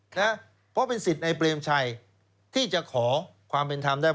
เพราะเป็นสิทธิ์ในเปรมชัยที่จะขอความเป็นธรรมได้